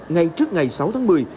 ngay trước ngày sáu tháng một mươi